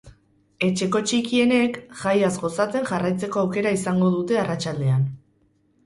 Etxeko txikienek, jaiaz gozatzen jarraitzeko aukera izango dute arratsaldean.